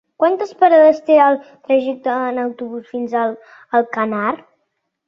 Quantes parades té el trajecte en autobús fins a Alcanar?